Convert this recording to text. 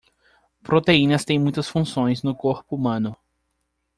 Proteínas têm muitas funções no corpo humano.